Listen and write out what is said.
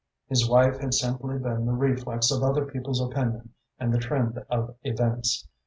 His wife had simply been the reflex of other people's opinion and the trend of events.